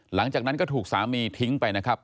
หลังจากนั้นก็ถูกสามีทิ้งไปนะครับ